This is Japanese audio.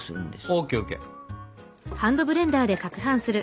ＯＫＯＫ。